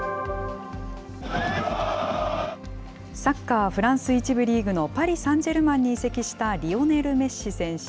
サッカーフランス１部リーグのパリサンジェルマンに移籍した、リオネル・メッシ選手。